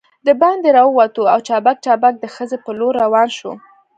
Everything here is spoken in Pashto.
دباندې راووتو او چابک چابک د خزې په لور روان شوو.